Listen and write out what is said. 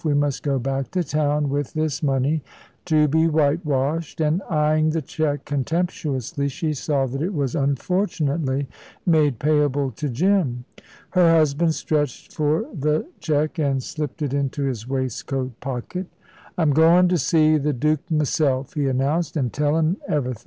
We must go back to town with this money, to be whitewashed"; and eyeing the cheque contemptuously, she saw that it was unfortunately made payable to Jim. Her husband stretched for the cheque and slipped it into his waistcoat pocket. "I'm goin' to see the Duke m'self," he announced, "an' tell him everythin'."